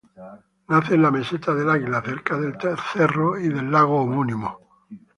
Nace en la Meseta del Águila, cerca del cerro y del lago homónimo.